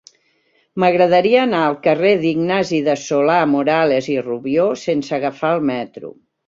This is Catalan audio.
M'agradaria anar al carrer d'Ignasi de Solà-Morales i Rubió sense agafar el metro.